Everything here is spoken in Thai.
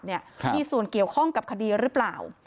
มีส่วนเกี่ยวข้องกับคดีหรือเปล่า